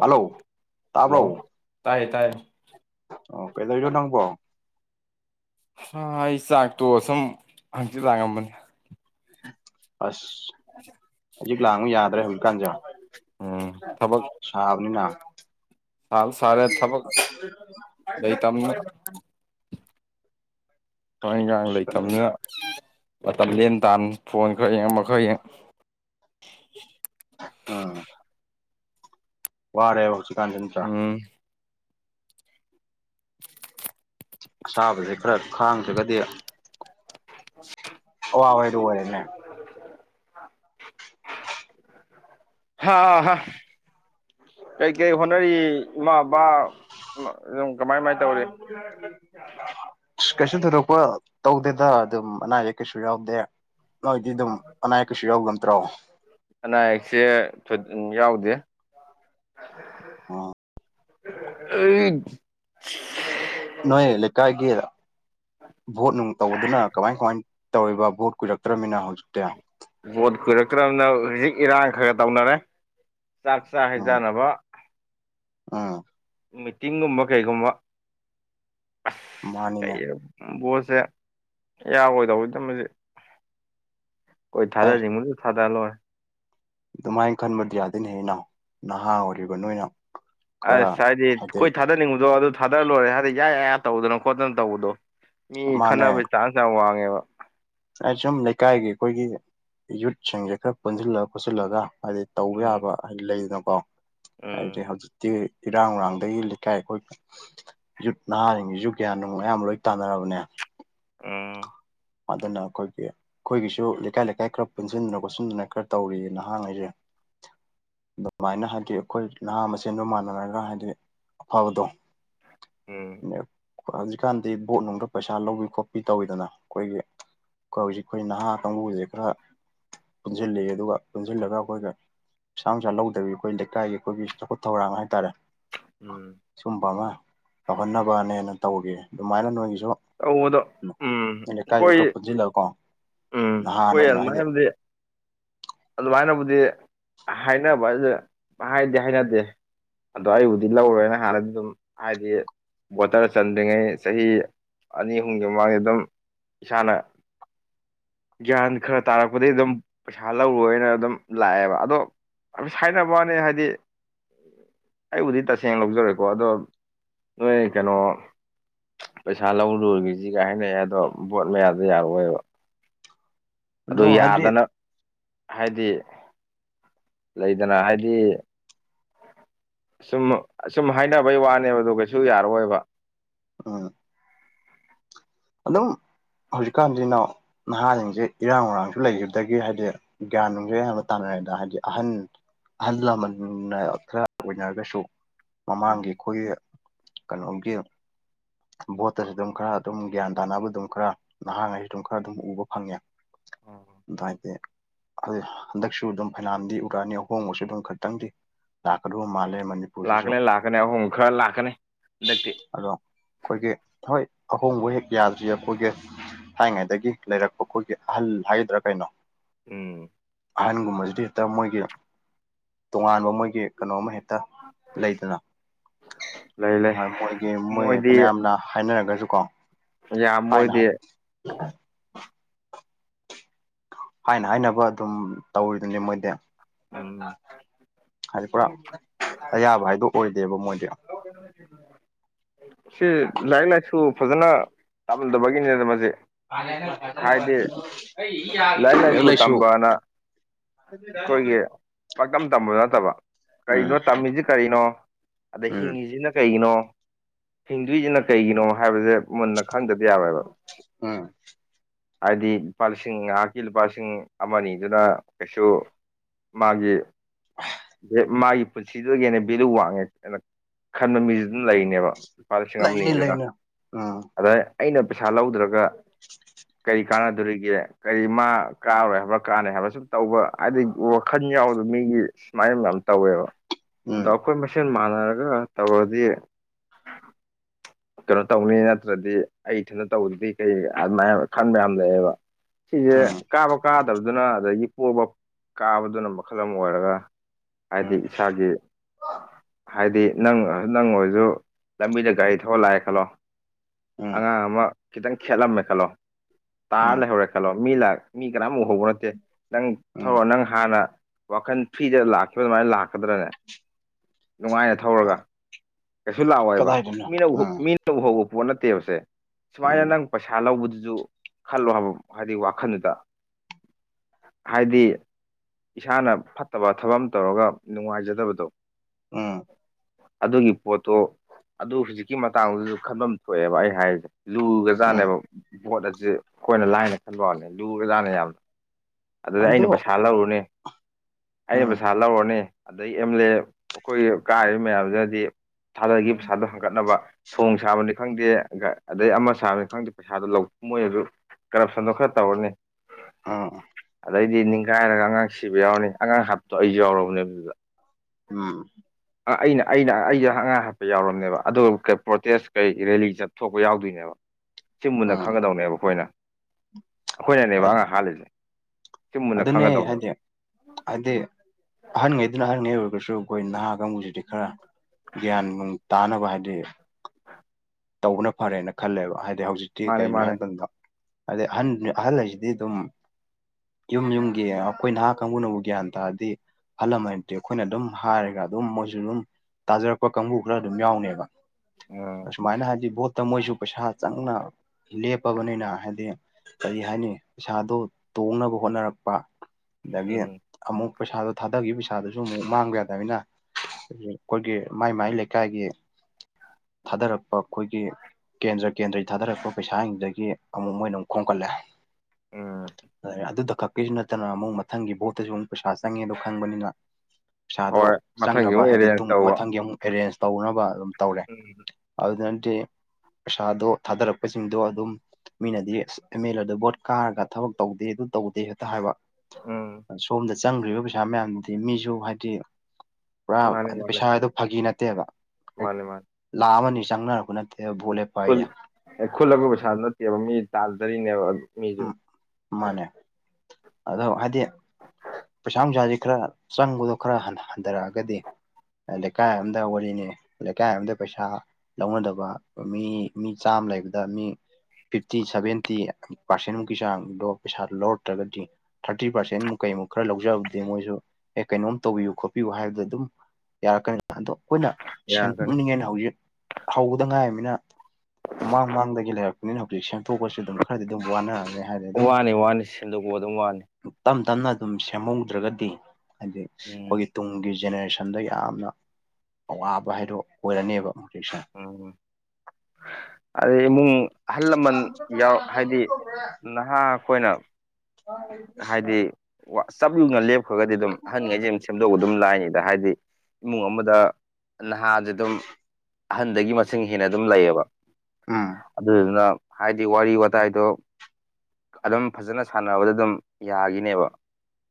hello ꯇꯥꯕ꯭ꯔꯣ hello ꯇꯥꯏꯌꯦ ꯇꯥꯏꯌꯦ ꯑꯣ ꯀꯩꯗꯩꯅꯣ ꯅꯪꯕꯣ ꯍꯥ ꯑꯩ ꯆꯥꯛꯇꯣꯛꯑ ꯁꯨꯝ ꯍꯪꯆꯤꯠ ꯂꯥꯡꯉꯝꯕꯅꯦ ꯑꯁ ꯍꯧꯖꯤꯛ ꯂꯥꯡꯕ ꯌꯥꯗ꯭ꯔꯦ ꯍꯧꯖꯤꯛꯀꯥꯟꯖꯦ ꯎꯝ ꯁꯥꯕꯅꯤꯅ ꯁꯥꯒ ꯁꯥꯔꯦ ꯊꯕꯛ ꯂꯩꯩ ꯇꯝꯅꯤꯅ ꯊꯕꯛ ꯏꯟꯈꯥꯡ ꯂꯩꯇꯝꯅꯤꯅ ꯃꯇꯝ ꯂꯦꯟ ꯇꯥꯝꯅꯤ ꯐꯣꯟ ꯈꯔ ꯌꯦꯡ ꯑꯃ ꯈꯔ ꯌꯦꯡ ꯎꯝ ꯋꯥꯔꯦꯕ ꯍꯧꯖꯤꯛꯀꯥꯟꯖꯦ ꯅꯠꯇ꯭ꯔ ꯎꯝ ꯑꯁꯥꯕꯁꯦ ꯈꯔ ꯈꯥꯡꯗ꯭ꯔꯒꯗꯤ ꯑꯋꯥꯕ ꯍꯥꯏꯗꯨ ꯑꯣꯏꯔꯦꯅꯦ ꯍꯥ ꯍꯥ ꯀꯩꯀꯩ ꯍꯣꯠꯅꯔꯤ ꯏꯃꯥ ꯕꯕꯥ ꯑꯗꯨꯝ ꯀꯃꯥꯏ ꯀꯃꯥꯏꯅ ꯇꯧꯔꯤ ꯀꯩꯁꯨ ꯊꯣꯏꯗꯣꯛꯄ ꯇꯧꯗꯦꯗ ꯑꯗꯨꯝ ꯑꯅꯥ ꯑꯌꯦꯛ ꯀꯩꯁꯨ ꯌꯥꯎꯗꯦ ꯅꯣꯏꯗꯤ ꯑꯗꯨꯝ ꯑꯅꯥ ꯑꯌꯦꯛ ꯀꯁꯨ ꯌꯥꯎꯗꯝ ꯅꯠꯇ꯭ꯔꯣ ꯑꯅꯥ ꯑꯌꯦꯛꯁꯦ ꯊꯣ ꯌꯥꯎꯗꯦ ꯑꯣ ꯑꯩ ꯅꯣꯏ ꯂꯩꯀꯥꯏꯒꯤ ꯚꯣꯠ ꯅꯨꯡ ꯇꯧꯕꯗꯨꯅ ꯀꯃꯥꯏ ꯀꯃꯥꯏꯅ ꯇꯧꯔꯤꯕ ꯚꯣꯠ ꯀꯨꯏꯔꯛꯇ꯭ꯔꯝꯃꯤꯅ ꯍꯧꯖꯤꯛꯇꯤ ꯚꯣꯠ ꯀꯨꯏꯔꯛꯇ꯭ꯔꯝꯅꯤꯅ ꯍꯧꯖꯤꯛ ꯏꯔꯥꯡ ꯈꯔ ꯈꯔ ꯇꯧꯅꯔꯦ ꯆꯥꯛ ꯆꯥ ꯎꯝ ꯍꯩꯖꯥꯅꯕ ꯎꯝ ꯃꯤꯇꯤꯡꯒꯨꯝꯕ ꯀꯩꯒꯨꯝꯕ ꯑꯁ ꯃꯥꯅꯤꯅꯦ ꯀꯩꯅꯣ ꯚꯣꯠꯁꯦ ꯌꯥꯔꯣꯏꯗꯧꯕꯗꯨꯝꯕꯖꯤ ꯈꯣꯏ ꯑꯩ ꯊꯥꯗꯅꯤꯡꯕꯗ ꯊꯥꯗ ꯂꯣꯏꯔꯦ ꯑꯗꯨꯃꯥꯏꯅ ꯈꯟꯕꯗꯤ ꯌꯥꯗꯅꯦꯍꯦ ꯏꯅꯥꯎ ꯅꯍꯥ ꯑꯣꯏꯔꯤꯕ ꯅꯣꯏꯅ ꯈꯔ ꯑꯁ ꯍꯥꯏꯗꯤ ꯑꯈꯣꯏ ꯊꯥꯗꯅꯤꯡꯕꯗꯣ ꯑꯗꯨ ꯊꯥꯗꯔ ꯂꯣꯏꯔꯦ ꯍꯥꯏꯗꯤ ꯌꯥꯌꯥꯌꯥ ꯇꯧꯗꯅ ꯈꯣꯠꯇꯅ ꯇꯧꯕꯗꯣ ꯃꯤ ꯃꯥꯅꯦ ꯈꯠꯅꯕꯩ ꯆꯥꯟꯁ ꯌꯥꯝ ꯋꯥꯡꯉꯦꯕ ꯑꯩ ꯁꯨꯝ ꯂꯩꯀꯥꯏꯒꯤ ꯑꯩꯈꯣꯏꯒꯤ ꯌꯨꯠꯁꯤꯡꯖꯦ ꯈꯔ ꯄꯨꯟꯁꯤꯜꯂ ꯈꯣꯠꯁꯤꯜꯂꯒ ꯍꯥꯏꯗꯤ ꯇꯧꯕ ꯎꯝ ꯌꯥꯕ ꯍꯥꯏꯗꯤ ꯂꯩꯗꯅꯀꯣ ꯍꯥꯏꯗꯤ ꯎꯝ ꯍꯧꯖꯤꯛ ꯇꯤ ꯏꯔꯥꯡ ꯅꯨꯡꯔꯥꯡꯗꯒꯤ ꯂꯩꯀꯥꯏ ꯑꯩꯈꯣꯏ ꯌꯨꯠ ꯅꯍꯥꯖꯤꯡꯖꯤꯖꯨ ꯒ꯭ꯌꯥꯟꯅꯨꯡ ꯑꯌꯥꯝꯕ ꯂꯣꯏ ꯇꯥꯟꯅꯔꯕꯅꯦ ꯎꯝ ꯑꯗꯨꯅ ꯑꯩꯈꯣꯏꯒꯤ ꯑꯩꯈꯣꯏꯒꯤꯁꯨ ꯂꯩꯀꯥꯏ ꯂꯩꯀꯥꯏ ꯈꯔ ꯄꯨꯟꯁꯤꯟꯗꯅ ꯈꯣꯁꯤꯟꯗꯅ ꯈꯔ ꯇꯧꯔꯤꯌꯦ ꯅꯍꯥꯉꯩꯁꯦ ꯑꯗꯨꯃꯥꯏꯅ ꯍꯥꯏꯗꯤ ꯑꯩꯈꯣꯏ ꯅꯍꯥ ꯃꯁꯦꯟꯒ ꯃꯥꯟꯅꯔꯒ ꯍꯥꯏꯗꯤ ꯑꯐꯕꯗꯣ ꯎꯝ ꯍꯧꯖꯤꯛꯀꯥꯟꯗꯤ ꯕꯣꯠꯅꯨꯡꯗ ꯄꯩꯁꯥ ꯂꯧꯕꯤ ꯈꯣꯠꯄꯤ ꯇꯧꯋꯤꯗꯅ ꯑꯩꯈꯣꯏꯒꯤ ꯑꯩꯈꯣꯢ ꯍꯧꯖꯤꯛ ꯑꯩꯈꯣꯏ ꯅꯍꯥ ꯀꯥꯡꯕꯨꯁꯦ ꯈꯔ ꯄꯨꯟꯖꯜꯂꯦꯌꯦ ꯑꯗꯨꯒ ꯄꯨꯟꯖꯜꯂꯒ ꯑꯩꯈꯣꯏꯒ ꯄꯩꯁꯥ ꯅꯨꯡꯁꯥ ꯂꯧꯗꯕꯤ ꯑꯩꯈꯣꯏ ꯂꯩꯀꯥꯏꯒꯤ ꯑꯩꯈꯣꯏꯒꯤ ꯆꯥꯎꯈꯠ ꯊꯧꯔꯥꯡ ꯍꯥꯏꯇꯥꯔꯦ ꯎꯝ ꯁꯨꯝꯕ ꯑꯃ ꯇꯧꯍꯟꯅꯕꯅꯦꯅ ꯇꯧꯒꯦ ꯑꯗꯨꯃꯥꯏꯅ ꯅꯣꯏꯒꯤꯁꯨ ꯇꯧꯕꯗꯣ ꯎꯝ ꯂꯩꯀꯥꯏꯁꯨ ꯑꯩꯈꯣꯏ ꯈꯔ ꯄꯨꯟꯁꯤꯜꯂꯒꯀꯣ ꯎꯝ ꯅꯍꯥꯟ ꯑꯩꯈꯣꯢ ꯑꯣꯏꯅ ꯑꯗꯨꯃꯥꯏ ꯍꯥꯏꯗꯤ ꯍꯥꯏꯕꯗꯤ ꯑꯗꯨꯃꯥꯏꯅꯕꯨꯗꯤ ꯍꯥꯏꯅꯕ ꯍꯥꯏꯁꯦ ꯍꯥꯏꯗꯤ ꯍꯥꯢꯅꯗꯦ ꯑꯗꯣ ꯑꯩꯕꯨꯗꯤ ꯂꯧꯔꯣꯏꯅ ꯍꯥꯟꯅꯗꯤ ꯑꯗꯨꯝ ꯍꯥꯏꯗꯤ ꯕꯣꯇꯔ ꯆꯟꯗ꯭ꯔꯤꯉꯩ ꯆꯍꯤ ꯑꯅꯤ ꯑꯍꯨꯝꯒꯤ ꯃꯃꯥꯡꯗ ꯑꯗꯨꯝ ꯏꯁꯥꯅ ꯒ꯭ꯌꯥꯟ ꯈꯔ ꯇꯥꯔꯛꯄꯗꯒꯤ ꯑꯗꯨꯝ ꯄꯩꯁꯥ ꯂꯧꯔꯣꯏꯅ ꯑꯗꯨꯝ ꯂꯥꯛꯑꯦꯕ ꯑꯗꯣ ꯍꯥꯏꯅꯕ ꯋꯥꯅꯦ ꯍꯥꯏꯗꯤ ꯑꯩꯕꯨꯗꯤ ꯇꯁꯦꯡꯅ ꯂꯧꯖꯔꯣꯢꯀꯣ ꯑꯗꯣ ꯅꯣꯏ ꯀꯩꯅꯣ ꯄꯩꯁꯥ ꯂꯧꯔꯨꯔꯣꯢꯒꯦꯁꯤꯒ ꯍꯥꯏꯅꯩꯌꯦ ꯑꯗꯣ ꯕꯣꯠ ꯃꯌꯥꯗ ꯌꯥꯔꯛꯑꯣꯏꯕ ꯑꯗꯨ ꯑꯗꯣ ꯍꯥꯏꯗꯤ ꯌꯥꯗꯅ ꯍꯥꯏꯗꯤ ꯂꯩꯗꯅ ꯍꯥꯏꯗꯤ ꯁꯨꯝ ꯁꯨꯝ ꯍꯥꯏꯅꯕꯩ ꯋꯥꯅꯦꯕꯗꯨ ꯀꯩꯁꯨ ꯌꯥꯔꯛꯑꯣꯏꯕ ꯑꯥ ꯑꯗꯨꯝ ꯍꯧꯖꯤꯛꯀꯥꯟꯁꯤꯅ ꯅꯍꯥꯁꯤꯡꯁꯦ ꯏꯔꯥꯡ ꯋꯥꯔꯥꯡꯁꯨ ꯂꯩꯈꯤꯕꯗꯒꯤ ꯍꯥꯏꯗꯤ ꯒ꯭ꯌꯥꯟ ꯅꯨꯡꯁꯦ ꯑꯌꯥꯝꯕ ꯇꯥꯅꯔꯦꯗ ꯍꯥꯏꯗꯤ ꯑꯍꯟ ꯑꯍꯜ ꯂꯃꯟꯅ ꯈꯔ ꯑꯣꯏꯅꯔꯒꯁꯨ ꯎꯝ ꯃꯃꯥꯡꯒꯤ ꯑꯩꯈꯣꯏꯒꯤ ꯀꯩꯅꯣꯝꯒꯤ ꯕꯣꯠꯇꯁꯨ ꯑꯗꯨꯝ ꯈꯔ ꯑꯗꯨꯝ ꯒ꯭ꯌꯥꯟ ꯇꯅꯕ ꯑꯗꯨꯝ ꯈꯔ ꯅꯍꯥꯉꯩꯁꯨ ꯑꯗꯨꯝ ꯈꯔ ꯑꯗꯨꯝ ꯎꯕ ꯐꯪꯉꯦ ꯑꯗꯨ ꯍꯥꯏꯗꯤ ꯑꯗꯨ ꯍꯟꯗꯛꯁꯨ ꯑꯗꯨꯝ ꯐꯩꯅꯥꯝꯗꯤ ꯎꯔꯛꯑꯅꯤ ꯑꯍꯣꯡꯕꯁꯨ ꯑꯗꯨꯝ ꯈꯤꯇꯪꯗꯤ ꯂꯥꯛꯀꯗꯕ ꯃꯥꯜꯂꯦ ꯃꯅꯤ ꯂꯥꯛꯀꯅꯤ ꯂꯥꯛꯀꯅꯤ ꯑꯍꯣꯡꯕ ꯈꯔ ꯂꯥꯛꯀꯅꯤ ꯍꯟꯗꯛꯇꯤ ꯑꯗꯣ ꯑꯩꯈꯣꯏꯒꯤ ꯍꯣꯏ ꯑꯍꯣꯡꯕ ꯍꯦꯛ ꯌꯥꯗ꯭ꯔꯤ ꯑꯩꯈꯣꯏꯒꯤ ꯊꯥꯏꯉꯩꯗꯒꯤ ꯂꯩꯔꯛꯄ ꯑꯩꯈꯣꯏꯒꯤ ꯑꯍꯜ ꯍꯥꯏꯒꯗ꯭ꯔꯥ ꯀꯩꯅꯣ ꯎꯝ ꯑꯍꯟꯒꯨꯝꯕꯁꯤꯗꯤ ꯍꯦꯛꯇ ꯃꯣꯏꯒꯤ ꯇꯣꯉꯥꯟꯕ ꯃꯣꯏꯒꯤ ꯀꯩꯅꯣꯝꯃ ꯍꯦꯛꯇ ꯂꯩꯗꯅ ꯂꯩ ꯂꯩ ꯍꯣꯏ ꯃꯣꯏꯒꯤ ꯃꯣꯏ ꯃꯣꯏꯗꯤ ꯐꯅꯌꯥꯝꯅ ꯍꯥꯏꯅꯔꯒꯁꯨ ꯀꯣ ꯌꯥꯝ ꯍꯥꯢꯅꯍꯥ ꯃꯣꯏꯗꯤ ꯍꯥꯏꯅ ꯍꯥꯏꯅꯕ ꯑꯗꯨꯝ ꯇꯧꯔꯤꯗꯨꯅꯦ ꯃꯣꯏꯗꯤ ꯎꯝ ꯍꯥꯏꯗꯤ ꯄꯨꯔꯥ ꯑꯌꯥꯕ ꯍꯥꯏꯗꯣ ꯑꯣꯏꯗꯦꯕ ꯃꯣꯏꯗꯤ ꯁꯤ ꯂꯥꯏꯔꯤꯛ ꯂꯥꯏꯁꯨ ꯐꯖꯅ ꯇꯝꯗꯕꯒꯤꯅꯦꯗ ꯃꯁꯤ ꯍꯥꯏꯗꯤ ꯂꯥꯏꯔꯤꯛ ꯂꯥꯏꯁꯨ ꯇꯝꯕꯅ ꯑꯩꯈꯣꯏꯒꯤ ꯄꯛꯇꯝ ꯇꯝꯕꯗꯨ ꯅꯠꯇꯕ ꯀꯔꯤꯅꯣ ꯎꯝ ꯇꯝꯃꯤꯁꯤ ꯀꯔꯤꯅꯣ ꯑꯗ ꯎꯝ ꯍꯤꯡꯉꯤꯁꯤꯅ ꯀꯩꯒꯤꯅꯣ ꯍꯤꯡꯗꯨꯏꯖꯤꯅ ꯀꯩꯒꯤꯅꯣ ꯍꯥꯏꯕꯁꯦ ꯃꯨꯟꯅ ꯈꯪꯗꯗꯤ ꯌꯥꯔꯣꯏꯕ ꯎꯝ ꯍꯥꯏꯗꯤ ꯂꯨꯄꯥ ꯂꯤꯁꯤꯡ ꯉꯥꯏꯍꯥꯛꯀꯤ ꯂꯨꯄꯥ ꯂꯤꯁꯤꯡ ꯑꯃꯅꯤꯗꯨꯅ ꯀꯩꯁꯨ ꯃꯥꯒꯤ ꯑꯦꯞ ꯃꯥꯏ ꯄꯨꯟꯁꯤꯗꯨꯗꯒꯤ ꯍꯦꯟꯅꯥ ꯚꯦꯂꯨ ꯋꯥꯡꯉꯦ ꯑꯅ ꯈꯟꯕ ꯃꯤꯁꯨ ꯑꯗꯨꯝ ꯂꯩꯅꯦꯕ ꯂꯨꯄꯥ ꯂꯤꯁꯤꯡ ꯂꯩꯅꯤ ꯑꯃꯅꯤꯗꯨꯅ ꯂꯩꯅꯤ ꯎꯝ ꯑꯗ ꯑꯩꯅ ꯄꯩꯁꯥ ꯂꯧꯗ꯭ꯔꯒ ꯀꯩ ꯀꯥꯟꯅꯗꯣꯔꯤꯒꯦ ꯀꯩ ꯃꯥ ꯀꯥꯔꯣꯏ ꯍꯥꯏꯕ꯭ꯔꯥ ꯀꯥꯅꯦ ꯍꯥꯏꯕ꯭ꯔꯥ ꯁꯨꯝ ꯇꯧꯕ ꯍꯥꯏꯗꯤ ꯋꯥꯈꯜ ꯌꯥꯎꯗ ꯃꯤꯒꯤ ꯁꯨꯃꯥꯏꯅ ꯃꯌꯥꯝ ꯇꯧꯋꯦꯕ ꯑꯗ ꯎꯝ ꯑꯈꯣꯏ ꯃꯁꯦꯟ ꯃꯥꯟꯅꯔꯒ ꯇꯧꯔꯗꯤ ꯀꯩꯅꯣ ꯇꯧꯅꯤ ꯅꯠꯇ꯭ꯔꯗꯤ ꯑꯩ ꯏꯊꯟꯇꯥ ꯇꯧꯕꯗꯨꯗꯤ ꯀꯩ ꯑꯗꯨꯃꯥꯏꯅ ꯈꯟꯕ ꯌꯥꯝ ꯂꯩꯌꯦꯕ ꯁꯤꯁꯦ ꯎꯝ ꯀꯥꯕ ꯀꯥꯗꯕꯗꯨꯅ ꯑꯗꯒꯤ ꯄꯣꯕ ꯀꯥꯕꯗꯨꯅ ꯃꯈꯜ ꯑꯃ ꯑꯣꯏꯔꯒ ꯍꯥꯏꯗꯤ ꯎꯝ ꯏꯁꯥꯒꯤ ꯍꯥꯏꯗꯤ ꯅꯪ ꯅꯪ ꯑꯣꯏꯔꯁꯨ ꯂꯝꯕꯤꯗ ꯒꯥꯔꯤ ꯂꯥꯛꯑꯦ ꯈꯜꯂꯣ ꯎꯝ ꯑꯉꯥꯡ ꯑꯃ ꯈꯤꯇꯪ ꯈꯦꯠꯂꯝꯃꯦ ꯈꯜꯂꯣ ꯇꯥꯔ ꯎꯝ ꯂꯩꯍꯧꯔꯦ ꯈꯜꯂꯣ ꯃꯤ ꯂꯥꯛ ꯃꯤ ꯀꯅꯥꯝ ꯎꯍꯧꯕ ꯅꯠꯇꯦ ꯅꯪ ꯎꯝ ꯊꯧꯔꯥ ꯅꯪ ꯍꯥꯟꯅ ꯋꯥꯈꯜ ꯐ꯭ꯔꯤꯗ ꯂꯥꯛꯈꯤꯕ ꯑꯗꯨꯃꯥꯏꯅ ꯂꯥꯛꯀꯗ꯭ꯔꯅꯦ ꯅꯨꯡꯉꯥꯏꯅ ꯊꯧꯔꯒ ꯀꯩꯁꯨ ꯂꯥꯛꯑꯣꯏꯕ ꯀꯗꯥꯏꯗꯅꯣ ꯎꯝ ꯃꯤꯠꯅ ꯎꯍꯧꯕ ꯄꯣꯠ ꯅꯠꯇꯦꯕꯁꯦ ꯁꯨꯃꯥꯏꯅ ꯎꯝ ꯅꯪ ꯄꯩꯁꯥ ꯂꯧꯕꯗꯨꯁꯨ ꯈꯜꯂꯣ ꯍꯥꯏꯕ ꯍꯥꯏꯗꯤ ꯋꯥꯈꯜꯗꯨꯗ ꯍꯥꯏꯗꯤ ꯏꯁꯥꯅ ꯐꯠꯇꯕ ꯊꯕꯛ ꯑꯃ ꯇꯧꯔꯒ ꯅꯨꯡꯉꯥꯏꯖꯗꯕꯗꯣ ꯎꯝ ꯑꯗꯨꯒꯤ ꯄꯣꯠꯇꯣ ꯑꯗꯨ ꯍꯨꯖꯤꯛ ꯀꯤ ꯃꯇꯥꯡꯗꯨꯗꯁꯨ ꯈꯟꯕꯝ ꯊꯣꯛꯑꯦꯕ ꯑꯩ ꯍꯥꯏꯔꯤꯁꯦ ꯎꯝ ꯂꯨꯒꯖꯥꯠꯅꯦꯕ ꯕꯣꯠ ꯑꯁꯦ ꯑꯈꯣꯏꯅ ꯂꯥꯏꯅ ꯈꯟꯕ ꯋꯥꯅꯦ ꯂꯨꯒꯔꯖꯥꯠꯅꯦ ꯌꯥꯝꯅꯥ ꯑꯗꯨꯗ ꯑꯩꯅ ꯑꯗꯣ ꯄꯩꯁꯥ ꯂꯧꯔꯨꯅꯤ ꯑꯩꯅ ꯎꯝ ꯄꯩꯁꯥ ꯂꯧꯔꯨꯔꯅꯤ ꯑꯗꯩ ꯑꯦꯝ ꯂꯦ ꯑꯈꯣꯏ ꯀꯥꯔꯤꯕ ꯃꯌꯥꯝꯁꯤꯅꯗꯤ ꯊꯥꯗꯒꯤ ꯄꯩꯁꯥꯗꯣ ꯍꯪꯒꯠꯅꯕ ꯊꯣꯡ ꯁꯥꯕꯅꯤ ꯈꯪꯗꯦ ꯑꯗꯩ ꯑꯃ ꯁꯥꯕꯅꯤ ꯈꯪꯗꯦ ꯄꯩꯁꯥꯗꯣ ꯂꯧ ꯃꯣꯏꯅꯁꯨ ꯀꯥꯔꯞꯁꯟ ꯗꯣ ꯈꯔ ꯇꯧꯔꯅꯤ ꯑꯥ ꯑꯗꯩꯗꯤ ꯅꯤꯡꯒꯥꯏꯔꯒ ꯑꯉꯥꯡ ꯁꯤꯕ ꯌꯥꯎꯔꯅꯤ ꯑꯉꯥꯡ ꯍꯥꯠꯞꯗꯣ ꯑꯩꯁꯨ ꯌꯥꯎꯔꯕꯅꯦꯕ ꯑꯗꯨꯗ ꯎꯝ ꯑꯥ ꯑꯩꯅ ꯑꯩꯅ ꯑꯩꯖꯦ ꯑꯉꯥꯡ ꯍꯥꯞꯄ ꯌꯥꯎꯔꯝꯅꯦꯕ ꯑꯗꯨ ꯄ꯭ꯔꯣꯇꯦꯁ ꯀꯩ ꯔꯦꯂꯤ ꯆꯠꯊꯣꯛꯄ ꯌꯥꯎꯗꯣꯏꯅꯦ ꯁꯤ ꯃꯨꯟꯅ ꯎꯝ ꯈꯪꯒꯗꯧꯅꯦꯕ ꯑꯈꯣꯏꯅ ꯑꯈꯣꯏꯅꯅꯦꯕ ꯑꯉꯥꯡ ꯍꯥꯠꯂꯤꯁꯦ ꯁꯤ ꯃꯨꯟꯅ ꯑꯗꯨꯅꯦ ꯈꯪꯒꯗꯧꯅꯦꯕ ꯍꯥꯏꯗꯤ ꯍꯥꯏꯗꯤ ꯑꯍꯟꯉꯩꯗꯨꯅ ꯑꯍꯟꯉꯩ ꯑꯣꯏꯒꯔꯁꯨ ꯑꯈꯣꯏ ꯅꯍꯥ ꯀꯥꯡꯒꯨꯁꯤꯗꯤ ꯈꯔ ꯒ꯭ꯌꯥꯟ ꯅꯨꯡ ꯇꯥꯅꯕ ꯍꯥꯏꯗꯤ ꯇꯧꯕꯅ ꯐꯔꯦꯅ ꯈꯜꯂꯦꯕ ꯍꯥꯏꯗꯤ ꯍꯧꯖꯤꯛꯇꯤ ꯃꯥꯅꯦ ꯀꯒꯤꯅꯣ ꯍꯥꯏ ꯃꯥꯅꯦ ꯃꯇꯝꯗ ꯑꯗꯩ ꯑꯍꯟ ꯑꯍꯜ ꯍꯥꯏꯁꯤꯗꯤ ꯑꯗꯨꯝ ꯌꯨꯝ ꯌꯨꯝꯒꯤ ꯑꯈꯣꯏ ꯅꯍꯥꯛ ꯀꯥꯡꯕꯨꯅꯕꯨ ꯒ꯭ꯌꯥꯟ ꯇꯥꯔꯗꯤ ꯑꯍꯟ ꯂꯃꯟ ꯗꯤ ꯑꯈꯣꯏꯅ ꯑꯗꯨꯝ ꯍꯥꯏꯔꯒ ꯑꯗꯨꯝ ꯃꯣꯏꯁꯨ ꯑꯗꯨꯝ ꯇꯥꯖꯔꯛꯄ ꯀꯥꯡꯕꯨ ꯈꯔ ꯑꯗꯨꯝ ꯌꯥꯎꯅꯦꯕ ꯎꯝ ꯁꯨꯃꯥꯏꯅ ꯍꯥꯏꯗꯤ ꯚꯣꯠꯇ ꯃꯣꯏꯁꯨ ꯄꯩꯁꯥ ꯆꯪꯅ ꯂꯦꯞꯄꯕꯅꯤꯅ ꯍꯥꯏꯗꯤ ꯀꯔꯤ ꯍꯥꯏꯅꯤ ꯄꯩꯁꯥꯗꯣ ꯇꯣꯡꯅꯕ ꯍꯣꯠꯅꯔꯛꯄ ꯑꯗꯒꯤ ꯎꯝ ꯑꯃꯨꯛ ꯄꯩꯁꯥꯗꯣ ꯊꯥꯗꯒꯤꯕ ꯄꯩꯁꯥꯗꯨꯁꯨ ꯑꯃꯨꯛ ꯃꯥꯡꯕ ꯌꯥꯗꯕꯅꯤꯅ ꯈꯣꯏꯒꯤ ꯃꯥꯏ ꯃꯥꯏ ꯂꯩꯀꯥꯏꯒꯤ ꯊꯥꯗꯔꯛ ꯒꯤ ꯀꯦꯟꯗ꯭ꯔ ꯀꯦꯟꯗ꯭ꯔꯒꯤ ꯊꯥꯗꯔꯛꯄ ꯄꯩꯁꯥꯁꯤꯡꯗꯒꯤ ꯑꯃꯨꯛ ꯃꯣꯏꯅ ꯑꯃꯨꯛ ꯈꯣꯝꯀꯠꯂꯦ ꯎꯝ ꯑꯗꯨꯗ ꯈꯛꯀꯤꯁꯨ ꯅꯠꯇꯅ ꯑꯃꯨꯛ ꯃꯊꯪꯒꯤ ꯕꯣꯠꯇꯁꯨ ꯑꯃꯨꯛ ꯄꯩꯁꯥ ꯆꯪꯉꯦꯗꯣ ꯈꯪꯕꯅꯤꯅ ꯄꯩꯁꯥꯗꯣ ꯍꯣꯏ ꯃꯊꯪꯒꯤ ꯆꯪꯅꯕ ꯑꯃꯨꯛ ꯍꯥꯏꯗꯤ ꯑꯦꯔꯦꯟꯖ ꯇꯨꯡ ꯇꯧꯕ ꯃꯊꯪꯒꯤ ꯑꯃꯨꯛ ꯑꯦꯔꯦꯟꯖ ꯇꯧꯅꯕ ꯑꯗꯨꯝ ꯇꯧꯔꯦ [unintelligible] ꯑꯗꯨꯗꯨꯅꯗꯤ ꯄꯩꯁꯥꯗꯣ ꯊꯥꯗꯔꯛꯄꯁꯤꯡꯗꯣ ꯑꯗꯨꯝ ꯃꯤꯅꯗꯤ ꯑꯦꯝ ꯃꯦ ꯂꯦꯗꯣ ꯚꯣꯠ ꯀꯥꯔꯒ ꯊꯕꯛ ꯇꯧꯗꯦ ꯑꯗꯨ ꯇꯧꯗꯦ ꯍꯦꯛꯇ ꯍꯥꯢꯕ ꯎꯝ ꯁꯣꯝꯗ ꯆꯪꯒꯔ꯭ꯤꯕ ꯄꯩꯁꯥ ꯃꯌꯥꯝꯗꯨꯗꯤ ꯃꯤꯁꯨ ꯍꯥꯢꯗꯤ ꯄꯨꯔꯥ ꯃꯥꯅꯦ ꯃꯥꯅꯦ ꯄꯩꯁꯥ ꯍꯥꯢꯗꯣ ꯐꯥꯒꯤ ꯅꯠꯇꯦꯕ ꯃꯥꯅꯦ ꯃꯥꯅꯦ ꯂꯥꯛ ꯑꯃꯅꯤ ꯆꯪꯅꯔꯛꯄ ꯅꯠꯇꯦ ꯚꯣꯠ ꯂꯦꯄ ꯈꯨꯜ ꯑꯦ ꯈꯨꯜꯂꯕ ꯄꯩꯁꯥꯗꯨ ꯅꯠꯇꯦꯕ ꯃꯤ ꯇꯥꯜꯖꯔꯤꯅꯦꯕ ꯃꯤꯁꯨ ꯎꯝ ꯃꯥꯅꯦ ꯑꯗꯣ ꯍꯥꯢꯗꯤ ꯄꯩꯁꯥ ꯅꯨꯡꯁꯥꯁꯦ ꯈꯔ ꯆꯪꯕꯗꯣ ꯈꯔ ꯍꯟ ꯍꯟꯊꯔꯛꯑꯒꯗꯤ ꯂꯩꯀꯥꯢ ꯑꯝꯗ ꯋꯥꯔꯤꯅꯤ ꯂꯩꯀꯥꯢ ꯑꯝꯗ ꯄꯩꯁꯥ ꯂꯧꯅꯗꯕ ꯃꯤ ꯃꯤ ꯆꯥꯝꯃ ꯂꯩꯕꯗ ꯃꯤ ꯐꯤꯐꯇꯤ ꯁꯚꯦꯟꯇꯤ ꯄꯥꯔꯁꯦꯟꯃꯨꯛꯀꯤ ꯆꯥꯡꯗꯣ ꯄꯩꯁꯥ ꯂꯧꯔꯛꯇ꯭ꯔꯒꯗꯤ ꯊꯥꯔꯇꯤ ꯄꯥꯔꯁꯦꯟꯃꯨꯛ ꯀꯩꯃꯨꯛ ꯈꯔ ꯂꯧꯖꯕꯗꯤ ꯃꯣꯢꯁꯨ ꯑꯦ ꯀꯩꯅꯣꯝ ꯇꯧꯕꯤꯌꯨ ꯈꯣꯠꯄꯤꯌꯨ ꯍꯥꯢꯕꯗ ꯑꯗꯨꯝ ꯌꯥꯔꯛꯀꯅꯤ ꯑꯗꯣ ꯈꯣꯢꯅ ꯁꯦꯝ [unintelligible] ꯌꯥꯔꯛꯀꯅꯤ ꯅꯤꯡꯉꯦꯅ ꯍꯧꯖꯤꯛ ꯍꯧꯕꯗꯩ ꯉꯥꯢꯃꯤꯅ ꯃꯥꯡ ꯃꯥꯡꯗꯒꯤ ꯂꯩꯔꯛꯄꯅꯤꯅ ꯍꯧꯖꯤꯛ ꯁꯦꯝꯇꯣꯛꯄꯁꯤ ꯑꯗꯨꯝ ꯈꯔꯗꯤ ꯋꯥꯟꯅꯔꯦ ꯍꯥꯢꯕꯩ ꯗꯨꯝ ꯋꯥꯅꯤ ꯋꯥꯅꯤ ꯁꯦꯝꯗꯣꯛꯄ ꯑꯗꯨꯝ ꯋꯥꯅꯤ ꯇꯝ ꯇꯝꯅ ꯑꯗꯨꯝ ꯁꯦꯝꯍꯧꯗ꯭ꯔꯒꯗꯤ ꯍꯥꯢꯗꯤ ꯎꯝ ꯈꯣꯢꯒꯤ ꯇꯨꯡꯒꯤ ꯖꯦꯅꯦꯔꯦꯁꯟꯗ ꯌꯥꯝꯅ ꯑꯋꯥꯕ ꯍꯥꯢꯗꯣ ꯑꯣꯢꯔꯅꯤꯕ ꯎꯝ ꯑꯗꯩ ꯏꯃꯨꯡ ꯑꯍꯜ ꯂꯃꯟ ꯌꯥꯎ ꯍꯥꯢꯗꯤ ꯅꯍꯥ ꯑꯈꯣꯢꯅ [unintelligible] ꯍꯥꯢꯗꯤ ꯋꯥ ꯆꯞ ꯌꯨꯡꯅ ꯂꯦꯞꯈ꯭ꯔꯒꯗꯤ ꯑꯗꯨꯝ ꯑꯍꯟꯒꯩꯖꯤꯡ ꯁꯦꯝꯗꯧꯕ ꯑꯗꯨꯝ ꯂꯥꯛꯅꯤꯗ ꯍꯥꯢꯗꯤ ꯏꯃꯨꯡ ꯑꯃꯗ ꯅꯍꯥꯥꯖꯦ ꯑꯗꯨꯝ ꯑꯍꯟꯗꯒꯤ ꯃꯁꯤꯡ ꯍꯦꯟꯅ ꯑꯗꯨꯝ ꯂꯩꯌꯦꯕ ꯎꯝ ꯑꯗꯨꯗꯨꯅ ꯍꯥꯢꯗꯤ ꯋꯥꯔꯤ ꯋꯥꯇꯥꯢꯗꯣ ꯑꯗꯨꯝ ꯐꯖꯅ ꯁꯥꯟꯅꯕꯗ ꯑꯗꯨꯝ ꯌꯥꯒꯤꯅꯦꯕ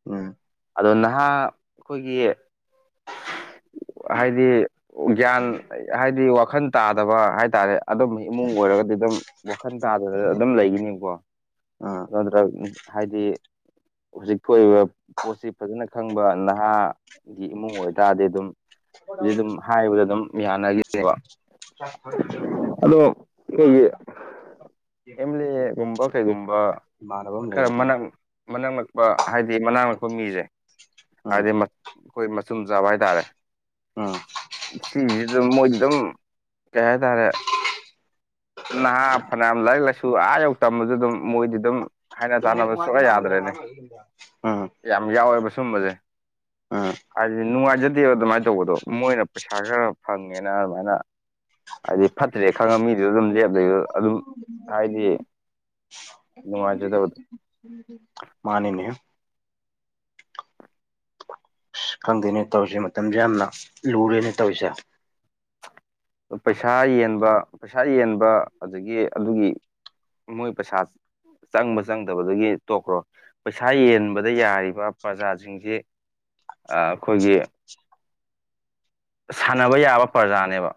ꯎꯝ ꯑꯗꯣ ꯅꯍꯥ ꯑꯩꯈꯣꯢꯒꯤ ꯍꯥꯢꯗꯤ ꯒ꯭ꯌꯥꯟ ꯍꯥꯢꯗꯤ ꯋꯥꯈꯜ ꯇꯥꯗꯕ ꯍꯥꯢꯇꯥꯔꯦ ꯑꯗꯨꯝꯕ ꯏꯃꯨꯡ ꯑꯣꯢꯔꯒꯗꯤ ꯑꯗꯨꯝ ꯋꯥꯈꯜ ꯇꯥꯗꯅ ꯑꯗꯨꯝ ꯂꯩꯒꯤꯅꯤꯕꯀꯣ ꯎꯝ ꯅꯗ꯭꯭ꯔꯒ ꯍꯥꯢꯗꯤ ꯍꯨꯖꯤꯛ ꯊꯣꯛꯏꯕ ꯄꯣꯠꯁꯤ ꯐꯖꯅ ꯈꯪꯕ ꯅꯍꯥ ꯒꯤ ꯏꯃꯨꯡ ꯑꯣꯢꯇꯥꯔꯗꯤ ꯑꯗꯨꯝ ꯍꯨꯖꯤꯛ ꯑꯗꯨꯝ ꯍꯥꯢꯕꯗ ꯑꯗꯨꯝ ꯌꯥꯅꯒꯤꯅꯤꯕ [unintelligible] ꯑꯦꯝꯂꯦ ꯒꯨꯝꯕ ꯀꯩꯒꯨꯝꯕ ꯏꯃꯥꯟꯅꯕ ꯑꯃ ꯈꯔ ꯂꯩꯕꯗꯨ ꯃꯅꯥꯛ ꯃꯅꯥꯛ ꯅꯛꯄ ꯍꯥꯢꯗꯤ ꯃꯅꯥꯛ ꯅꯛꯄ ꯃꯤꯁꯦ ꯎꯝ ꯍꯥꯢꯗꯤ ꯃ ꯑꯩꯈꯣꯢ ꯃꯆꯨꯝ ꯆꯥꯕ ꯍꯥꯢꯇꯥꯔꯦ ꯎꯝ ꯁꯤꯁꯤꯗ ꯃꯣꯢꯗꯤ ꯑꯗꯨꯝ ꯀꯩ ꯍꯥꯢꯇꯥꯔꯦ ꯅꯍꯥ ꯐꯅꯌꯥꯝ ꯂꯥꯢꯔꯤꯛ ꯂꯥꯢꯁꯨ ꯑꯥ ꯌꯧ ꯇꯝꯃꯖꯨ ꯑꯗꯨꯝ ꯃꯣꯢꯗꯤ ꯗꯨꯝ ꯑꯗꯨꯝ ꯅꯦꯠ ꯅꯨꯡꯉꯥꯏꯗꯤ [unintelligible] ꯌꯥꯝ ꯌꯥꯎꯋꯦꯕ ꯁꯨꯝꯕꯁꯦ ꯎꯝ ꯍꯥꯢꯗꯤ ꯅꯨꯡꯉꯥꯢꯖꯗꯦ ꯑꯗꯨꯃꯥꯢꯅ ꯇꯧꯕꯗꯣ ꯃꯣꯢꯅ ꯄꯩꯁꯥ ꯈꯔ ꯐꯪꯉꯦꯅ ꯑꯗꯨꯃꯥꯢꯅ ꯍꯥꯢꯗꯤ ꯐꯠꯇ꯭ꯔꯦ ꯈꯪꯉ ꯃꯤꯗꯨ ꯑꯗꯨꯝ ꯂꯦꯞ ꯂꯩꯗꯣ ꯑꯗꯨꯝ ꯍꯥꯢꯗꯤ ꯅꯨꯉꯥꯢ ꯖꯗꯕꯗꯣ [unintelligible] ꯃꯥꯅꯤꯅꯦ [unintelligible] ꯈꯪꯗꯦꯅꯦ ꯇꯧꯔꯤꯁꯦ ꯃꯇꯝꯖꯦ ꯌꯥꯝꯅ ꯂꯨꯔꯦꯅꯦ ꯇꯧꯔꯤꯁꯦ ꯄꯩꯁꯥ ꯌꯦꯟꯕ ꯄꯩꯁꯥ ꯌꯦꯟꯕ ꯑꯗꯒꯤ ꯑꯗꯨꯒꯤ ꯃꯣꯏ ꯄꯩꯁꯥ ꯆꯪꯕ ꯆꯪꯗꯕꯗꯨꯒꯤ ꯇꯣꯛꯈ꯭ꯔꯣ ꯄꯩꯁꯥ ꯌꯦꯟꯕꯗ ꯌꯥꯔꯤꯕ ꯄ꯭ꯔꯖꯥꯁꯤꯡꯖꯤ ꯑ-ꯑꯩꯈꯣꯏꯒꯤ ꯁꯥꯟꯅꯕ ꯌꯥꯕ ꯄ꯭ꯔꯖꯥꯅꯦꯕ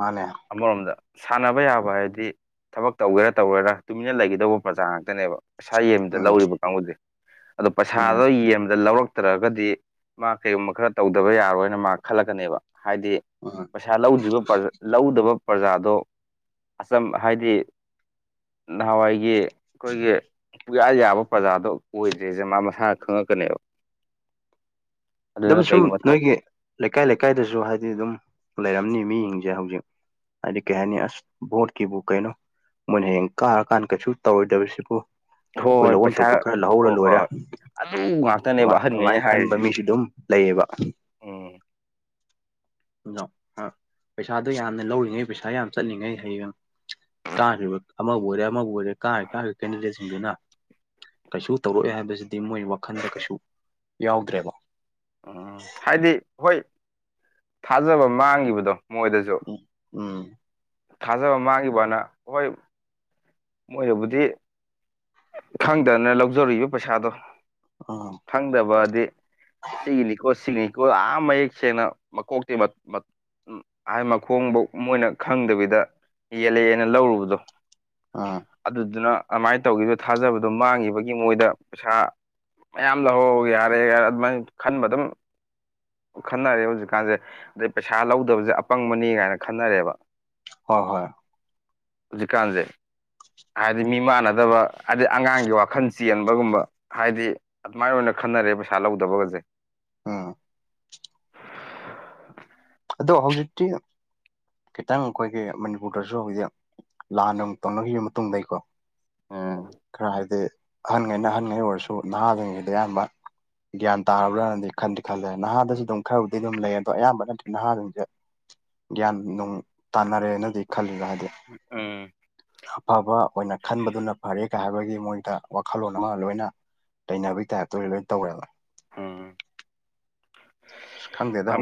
ꯃꯥꯅꯦ ꯑꯃꯔꯣꯝꯗ ꯁꯥꯟꯅꯕ ꯌꯥꯕ ꯍꯥꯏꯗꯤ ꯊꯕꯛ ꯇꯧꯒꯦꯔꯥ ꯇꯧꯔꯣꯢꯔꯥ ꯇꯨꯃꯤꯟꯅ ꯂꯩꯒꯗꯧꯕ ꯄ꯭ꯔꯖꯥ ꯉꯥꯛꯇꯅꯦꯕ ꯄꯩꯁꯥ ꯌꯦꯟꯕꯗ ꯎꯝ ꯂꯧꯔꯤꯕ ꯀꯥꯡꯕꯨꯖꯤ ꯑꯗꯣ ꯄꯩꯁꯥꯗꯣ ꯎꯝ ꯌꯦꯟꯕꯗ ꯂꯧꯔꯛ ꯇ꯭ꯔꯒꯗꯤ ꯃꯥ ꯀꯩꯒꯨꯝꯕ ꯈꯔ ꯇꯧꯗꯕ ꯌꯥꯔꯣꯏꯅ ꯃꯥ ꯈꯜꯂꯛꯀꯅꯤꯕ ꯍꯥꯏꯗꯤ [unintelligible] ꯄꯩꯁꯥ ꯂꯧꯗ꯭ꯔꯤꯕ ꯄ꯭ꯔꯖ ꯂꯧꯗꯕ ꯄ꯭ꯔꯖꯥꯗꯣ ꯑꯆꯝ ꯍꯥꯏꯗꯤ ꯅꯍꯋꯥꯏꯒꯤ ꯑꯈꯣꯏꯒꯤ ꯄꯨꯌꯥ ꯌꯥꯕ ꯄ꯭ꯔꯖꯥꯗꯣ ꯑꯣꯏꯗ꯭ꯔꯦꯁꯦ ꯃꯥ ꯃꯁꯥ ꯈꯉꯛ ꯀꯅꯦꯕ ꯑꯗꯨꯝ ꯁꯨꯝ ꯅꯣꯏꯒꯤ ꯂꯩꯀꯥꯏ ꯂꯩꯀꯥꯏꯗꯁꯨ ꯍꯥꯏꯗꯤ ꯑꯗꯨꯝ ꯂꯩꯔꯝꯅꯤ ꯃꯤꯖꯤꯡꯖꯦ ꯍꯧꯖꯤꯛ ꯍꯥꯏꯗꯤ ꯀꯩ ꯍꯥꯏꯅꯤ ꯑꯁ ꯚꯣꯠꯀꯤꯕꯨ ꯀꯩꯅꯣ ꯃꯣꯏꯅ ꯍꯌꯦꯡ ꯀꯥꯔꯀꯥꯟꯗ ꯀꯩꯁꯨ ꯇꯧꯔꯣꯏꯗꯕꯁꯤꯕꯨ ꯍꯣꯏ ꯑꯈꯣꯏ ꯍꯣꯏ ꯂꯧꯕꯝ ꯄꯩꯁꯥ ꯊꯣꯛꯄ ꯈꯔ ꯂꯧꯍꯧꯔ ꯍꯣꯏ ꯍꯣꯏ ꯂꯣꯏꯔꯦ ꯍꯣꯏ ꯑꯗꯨ [unintelligible] ꯉꯥꯛꯇꯅꯦꯕ ꯑꯍꯟꯈꯩꯅ ꯑꯗꯨꯃꯥꯏꯟ ꯈꯟꯕ ꯍꯥꯏꯔꯤꯁꯦ ꯃꯤꯁꯨ ꯑꯗꯨꯝ ꯂꯩꯌꯦꯕ ꯎꯝ ꯑꯗꯣ ꯑꯥ ꯄꯩꯁꯥꯗꯣ ꯌꯥꯝꯅ ꯂꯧꯔꯤꯉꯩ ꯄꯩꯁꯥ ꯌꯥꯝ ꯆꯠꯂꯤꯉꯩ ꯍꯌꯦꯡ ꯀꯥꯈ꯭ꯔꯤꯕ ꯑꯃꯕꯨ ꯑꯣꯏꯔꯦ ꯑꯃꯕꯨ ꯑꯣꯏꯔꯦ ꯀꯥꯔꯤꯀꯥꯟꯗ ꯀꯦꯟꯗꯤꯗꯦꯠꯁꯤꯡꯗꯨꯅ ꯀꯩꯁꯨ ꯇꯧꯔꯛꯑꯣꯢ ꯍꯥꯏꯕꯁꯤꯗꯤ ꯃꯣꯏ ꯋꯥꯈꯟꯗ ꯀꯩꯁꯨ ꯌꯥꯎꯗ꯭ꯔꯦꯕ ꯎꯝ ꯍꯥꯏꯗꯤ ꯍꯣꯏ ꯊꯥꯖꯕ ꯃꯥꯡꯒꯤꯕꯗꯣ ꯃꯣꯏꯗꯁꯨ ꯎꯝ ꯎꯝ ꯊꯥꯖꯕ ꯃꯥꯡꯒꯤꯕꯅ ꯍꯣꯏ ꯃꯣꯏꯅꯕꯨꯗꯤ ꯈꯪꯗꯅ ꯂꯧꯖꯔꯨꯢꯕ ꯄꯩꯁꯥꯗꯣ ꯑꯧ ꯈꯪꯗꯕꯗꯤ ꯁꯤꯒꯤ ꯅꯤꯀꯣ ꯁꯤꯒꯤ ꯅꯤꯀꯣ ꯑꯥ ꯌꯥꯝ ꯃꯌꯦꯛ ꯁꯦꯡꯅ ꯃꯀꯣꯛꯇꯩ [unintelligible] [unintelligible] ꯃꯈꯣꯡꯕꯧ ꯃꯣꯏꯅ ꯈꯪꯗꯕꯤꯗ ꯌꯦꯜꯂꯑꯦꯅ ꯂꯧꯔꯨꯕꯗꯣ ꯑꯥ ꯑꯗꯨꯗꯨꯅ ꯑꯃꯥꯏꯟ ꯇꯧꯈꯤꯕꯗ ꯊꯥꯖꯕꯗꯣ ꯃꯥꯡꯒꯤꯕꯒꯤ ꯃꯣꯏꯗ ꯄꯩꯁꯥ ꯃꯌꯥꯝ ꯂꯧꯍꯧ ꯌꯥꯔꯦ ꯌꯥꯔꯦ ꯑꯗꯨꯃꯥꯏꯟ ꯈꯟꯕ ꯑꯗꯨꯝ ꯈꯟꯅꯔꯦ ꯍꯧꯖꯤꯛꯀꯥꯟꯁꯦ ꯑꯗꯩ ꯄꯩꯁꯥ ꯂꯧꯗꯕꯁꯦ ꯑꯄꯪꯕꯅꯤ ꯒꯥꯏꯅ ꯈꯟꯅꯔꯦꯕ ꯍꯣꯏ ꯍꯣꯏ ꯍꯨꯖꯤꯛꯀꯥꯟꯁꯦ ꯍꯥꯏꯗꯤ ꯃꯤ ꯃꯥꯟꯅꯗꯕ ꯍꯥꯏꯗꯤ ꯑꯉꯥꯡꯒꯤ ꯋꯥꯈꯜ ꯆꯦꯟꯕꯒꯨꯝꯕ ꯍꯥꯏꯗꯤ ꯑꯗꯨꯃꯥꯏꯟ ꯑꯣꯏꯅ ꯈꯟꯅꯔꯦ ꯄꯩꯁꯥ ꯂꯧꯗꯕꯒꯁꯦ ꯎꯝ ꯑꯗꯣ ꯍꯧꯖꯤꯛꯇꯤ ꯈꯤꯇꯪ ꯑꯈꯣꯏꯒꯤ ꯃꯅꯤꯄꯨꯔꯗꯁꯨ ꯍꯧꯖꯤꯛ ꯂꯥꯟ ꯅꯨꯡ ꯇꯧꯅꯈꯤꯕ ꯃꯇꯨꯡꯗꯩꯀꯣ ꯎꯝ ꯈ꯭ꯔ ꯍꯥꯏꯗꯤ ꯑꯍꯟꯉꯩꯅ ꯑꯍꯟꯉꯩꯒꯤ ꯑꯣꯏꯔꯁꯨ ꯅꯍꯥꯒꯩꯅꯗꯤ ꯑꯌꯥꯝꯕ ꯒ꯭ꯌꯥꯟ ꯇꯥꯔꯕ꯭ꯔꯅꯗꯤ ꯈꯟꯗꯤ ꯈꯜꯂꯦ ꯅꯍꯥꯗꯁꯨ ꯑꯗꯨꯝ ꯈꯔꯕꯨꯗꯤ ꯑꯗꯨꯝ ꯂꯩ ꯑꯗꯣ ꯑꯌꯥꯝꯕꯅꯗꯤ ꯅꯍꯥꯖꯤꯡꯁꯦ ꯒ꯭ꯌꯥꯟ ꯅꯨꯡ ꯇꯥꯅꯔꯦꯅꯗꯤ ꯈꯜꯂꯦ ꯍꯥꯏꯗꯤ ꯎꯝ ꯑꯐꯕ ꯑꯣꯏꯅ ꯈꯟꯕꯗꯨꯅ ꯐꯔꯦ ꯀ ꯍꯥꯏꯕꯒꯤ ꯃꯣꯏꯗ ꯋꯥꯈꯜꯂꯣꯟ ꯑꯃ ꯂꯣꯏꯅ ꯂꯩꯅꯕꯩ ꯇꯥꯏꯞꯇ ꯑꯣꯏ ꯂꯣꯏ ꯇꯧꯋꯦꯕ ꯎꯝ ꯑꯁ ꯈꯪꯗꯦꯗ ꯍꯧ ꯌꯥꯝ